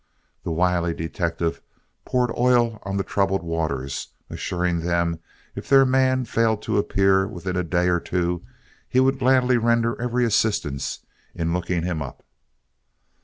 The wily detective poured oil on the troubled waters, assuring them if their man failed to appear within a day or two, he would gladly render every assistance in looking him up.